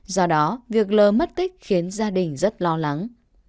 do đó việc lờ mất tích khiến gia đình rất lo lắng